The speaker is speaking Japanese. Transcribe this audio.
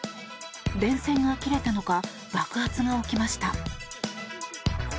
電線が切れたのか爆発が起きました。